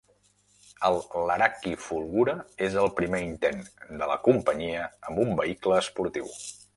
El Laraki Fulgura és el primer intent de la companyia amb un vehicle esportiu.